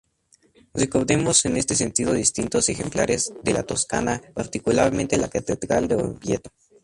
Recordemos en este sentido distintos ejemplares de la Toscana, particularmente la catedral de Orvieto.